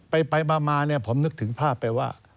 ไปมาผมนึกถึงภาพไปว่า